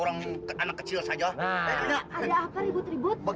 anak kecil saja